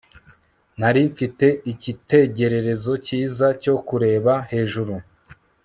nari mfite icyitegererezo cyiza cyo kureba hejuru